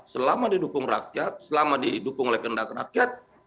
selama didukung rakyat selama didukung oleh kehendak rakyat